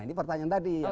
ini pertanyaan tadi